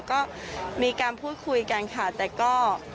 ก็มีการพูดคุยกันค่ะแต่ก็